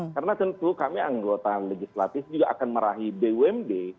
karena tentu kami anggota legislatif juga akan merahi bumd